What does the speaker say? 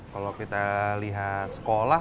kalau kita lihat sekolah